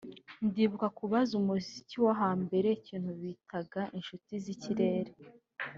ndibuka ku bazi umuziki wo hambere ikintu bitaga inshuti z’ikirere